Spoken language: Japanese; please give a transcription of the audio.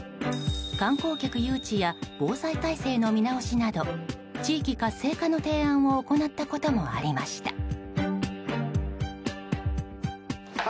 観光客誘致や防災体制の見直しなど地域活性化の提案を行ったこともありました。